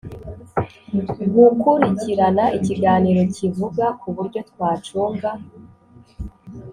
gukurikirana ikiganiro kivuga kuburyo twacunga